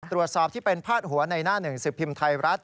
ตรวจสอบที่เป็นพาดหัวในหน้า๑สิบพิมพ์ไทยรัฐ